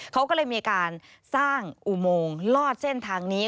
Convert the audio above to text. เขาก็เลยมีการสร้างอุโมงลอดเส้นทางนี้